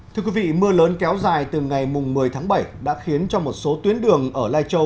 thưa quý vị mưa lớn kéo dài từ ngày một mươi tháng bảy đã khiến cho một số tuyến đường ở lai châu